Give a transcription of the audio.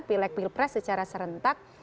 pileg pilpres secara serentak